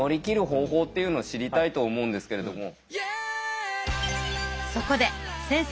方法っていうのを知りたいと思うんですけれども。